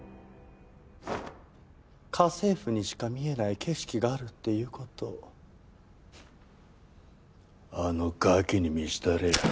家政婦にしか見えない景色があるっていう事あのガキに見したれや。